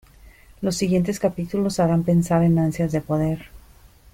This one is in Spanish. Los siguientes capítulos harán pensar en ansias de poder.